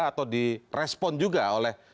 atau direspon juga oleh